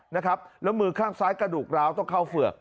นะครับแล้วมือข้างซ้ายกระดูกร้าวต้องเข้าเฝือก